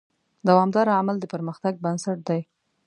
دوامداره عمل د پرمختګ بنسټ دی.